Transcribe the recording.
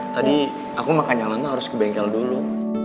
tadi aku makan yang lama harus ke bengkel dulu